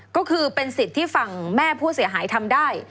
ก็คือเป็นสิทธิ์ที่ฝั่งแม่ผู้เสียหายทำได้